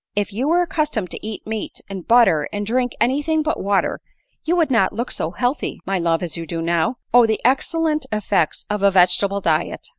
If you were accustomed to eat meat, and butter, and drink any thing but water, you would not look so healthy, my love, as you do now O the excellent effects of a vege table diet